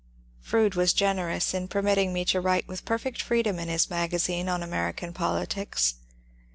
Froude was generous in permitting me to write with per fect freedom in his magazine on American politics.